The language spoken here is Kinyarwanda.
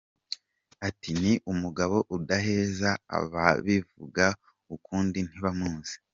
Ati “Ni umugabo udaheza, ababivuga ukundi ntibamuzi.